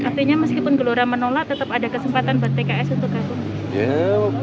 artinya meskipun gelora menolak tetap ada kesempatan buat pks untuk ganggu